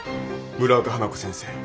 村岡花子先生。